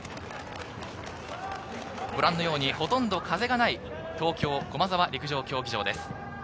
ほとんど風がない東京駒沢陸上競技場です。